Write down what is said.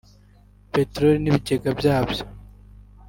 peterori n’ibigega byabyo